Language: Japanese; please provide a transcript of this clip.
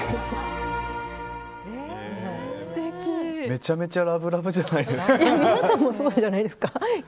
めちゃめちゃ皆さんもそうじゃないですか？